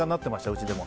うちでも。